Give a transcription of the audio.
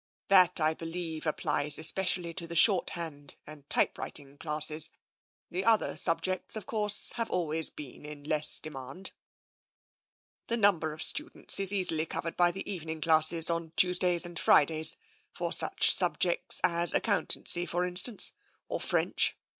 That, I believe, applies especially to the shorthand and typewriting classes. The other subjects, of course, have always been in less demand. The num ber of students is easily covered by the evening classes on Tuesday and Fridays for such subjects as ac countancy, for instance, or French.